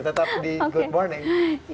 tetap di good morning